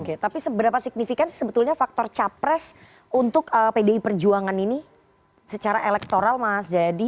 oke tapi seberapa signifikan sih sebetulnya faktor capres untuk pdi perjuangan ini secara elektoral mas jayadi